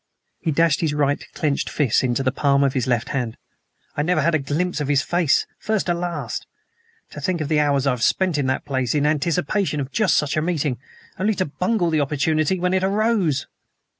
He dashed his right clenched fist into the palm of his left hand. "I never had a glimpse of his face, first to last. To think of the hours I have spent in that place, in anticipation of just such a meeting only to bungle the opportunity when it arose!"